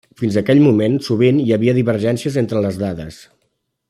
Fins aquell moment sovint hi havia divergències entre les dades.